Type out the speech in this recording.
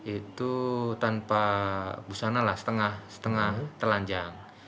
itu tanpa busana lah setengah telanjang